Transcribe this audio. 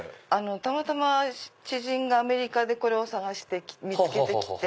たまたま知人がアメリカでこれを見つけてきて。